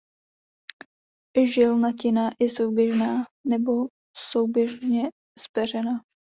Žilnatina je souběžná nebo souběžně zpeřená.